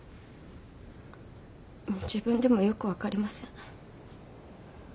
自分でもよく分かりません。